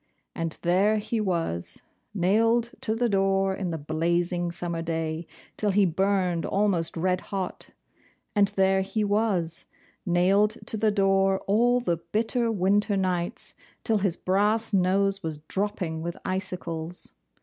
And there he was, nailed to the door in the blazing summer day, till he burned almost red hot; and there he was, nailed to the door all the bitter winter nights, till his brass nose was dropping with icicles.